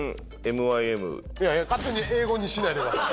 勝手に英語にしないでください。